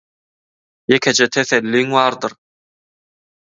Ýekeje teselliň bardyr